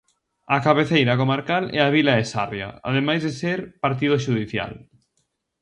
A cabeceira comarcal é a vila de Sarria, ademais de ser partido xudicial.